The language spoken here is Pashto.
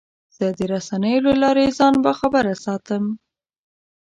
زه د رسنیو له لارې ځان باخبره ساتم.